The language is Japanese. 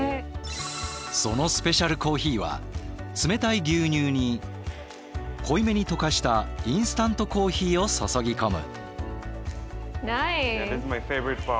そのスペシャルコーヒーは冷たい牛乳に濃いめに溶かしたインスタントコーヒーを注ぎ込む。